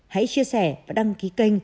hãy chia sẻ và đăng ký kênh